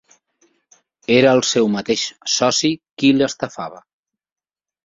Era el seu mateix soci qui l'estafava.